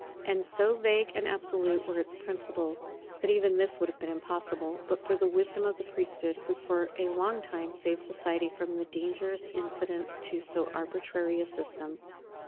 And so vague and absolute were its principles, that even this would have been impossible, but for the wisdom of the priesthood, who for a long time saved society from the dangers incident to so arbitrary a system.